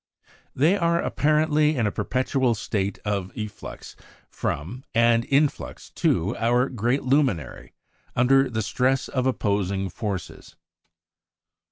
They are apparently in a perpetual state of efflux from, and influx to our great luminary, under the stress of opposing forces.